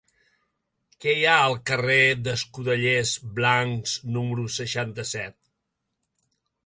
Què hi ha al carrer d'Escudellers Blancs número seixanta-set?